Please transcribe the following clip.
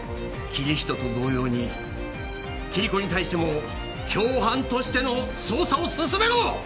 キリヒトと同様にキリコに対しても共犯としての捜査を進めろ！